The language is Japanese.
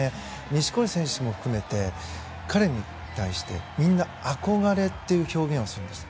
錦織選手も含めて彼に対してみんな憧れという表現をするんです。